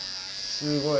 すごい。